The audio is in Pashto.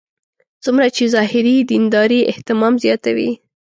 څومره چې ظاهري دیندارۍ اهتمام زیاتوي.